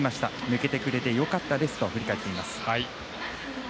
抜けてくれてよかったですと振り返っています。